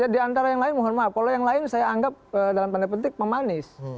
di antara yang lain mohon maaf kalau yang lain saya anggap dalam tanda petik pemanis